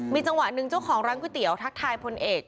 มีจังหวะหนึ่งเจ้าของร้านก๋วยเตี๋ยวทักทายพลเอก